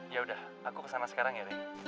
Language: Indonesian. yaudah aku kesana sekarang ya re